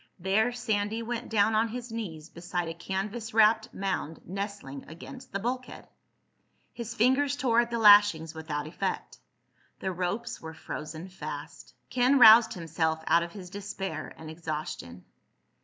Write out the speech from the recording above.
There Sandy went down on his knees beside a canvas wrapped mound nestling against the bulkhead. His fingers tore at the lashings without effect. The ropes were frozen fast. Ken roused himself out of his despair and exhaustion.